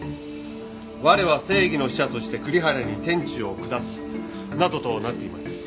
「我は正義の使者として栗原に天誅を下す」などとなっています。